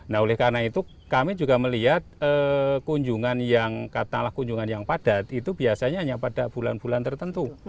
nah oleh karena itu kami juga melihat kunjungan yang katakanlah kunjungan yang padat itu biasanya hanya pada bulan bulan tertentu